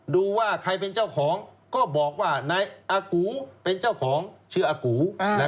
ดูว่าใครเป็นเจ้าของก็บอกว่านายอากูเป็นเจ้าของชื่ออากู